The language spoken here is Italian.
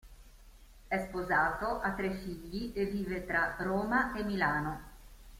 È sposato, ha tre figli, e vive tra Roma e Milano.